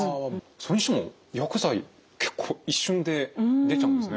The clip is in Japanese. それにしても薬剤結構一瞬で出ちゃうんですね。